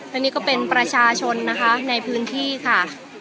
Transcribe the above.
และนี่ก็เป็นประชาชนนะคะในพื้นที่ค่ะ